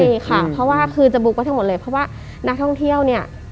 ใช่ค่ะเพราะว่าคือจะบุ๊กไว้ทั้งหมดเลยเพราะว่านักท่องเที่ยวเนี่ย